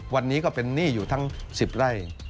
วันนี้ก็เป็นหนี้อยู่ทั้ง๑๐ไร่